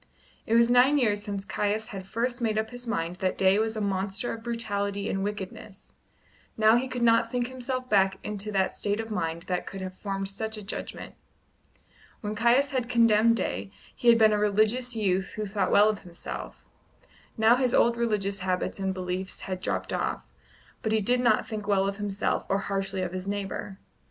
It was nine years since Caius had first made up his mind that Day was a monster of brutality and wickedness; now he could not think himself back into the state of mind that could have formed such a judgment When Caius had condemned Day, he had been a religions youth who thought well of himself; now his old religious habits and beliefs had dropped off, but he did not think well of himself or harshly of his neighbour.